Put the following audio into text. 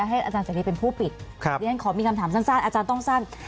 อยากให้อาจารย์เสียงดีเป็นผู้ปิดครับขอมีคำถามสั้นอาจารย์ต้องสั่น